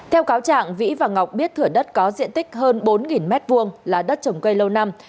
theo cáo trạng vĩ và ngọc biết thửa đất có diện tích hơn bốn m hai là đất trồng cây lâu năm